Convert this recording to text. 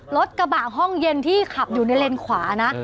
รถกระบะห้องเย็นที่ขับอยู่ในเลนขวานะ